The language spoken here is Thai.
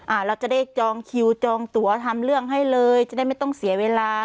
เราจะได้จองคิวจองตัวทำเรื่องให้เลยจะได้ไม่ต้องเสียเวลา